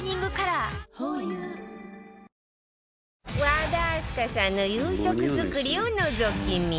和田明日香さんの夕食作りをのぞき見